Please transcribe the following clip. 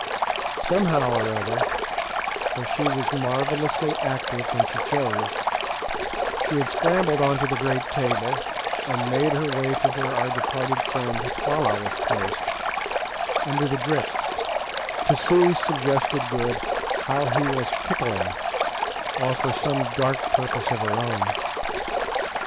Somehow or other—for she was marvellously active when she chose—she had scrambled on to the great table, and made her way to where our departed friend Twala was placed, under the drip, to see, suggested Good, how he was "pickling," or for some dark purpose of her own.